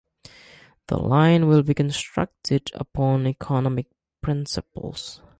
The line will be constructed upon economic principles.